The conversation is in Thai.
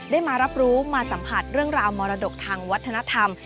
มารับรู้มาสัมผัสเรื่องราวมรดกทางวัฒนธรรม